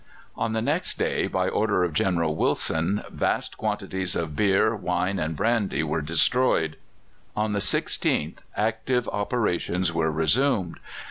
On the next day, by order of General Wilson, vast quantities of beer, wine, and brandy were destroyed. On the 16th active operations were resumed.